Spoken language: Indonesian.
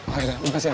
oh iya makasih ya bang